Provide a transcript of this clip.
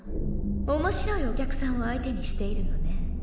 面白いお客さんを相手にしているのね。